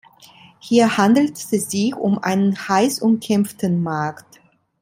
Hier handelt es sich um einen heiß umkämpften Markt.